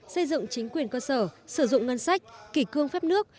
xây dựng chính quyền cơ sở sử dụng ngân sách kỷ cương phép nước